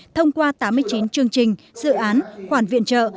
thông qua tám mươi chín chương trình dự án khoản viện trợ